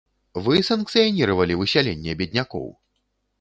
Вы санкцыяніравалі высяленне беднякоў?